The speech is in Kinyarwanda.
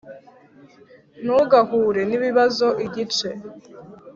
ntugahure nibibazo igice